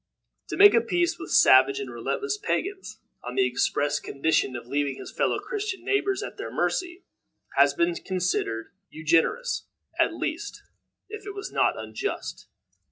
To make a peace with savage and relentless pagans, on the express condition of leaving his fellow Christian neighbors at their mercy, has been considered ungenerous, at least, if it was not unjust.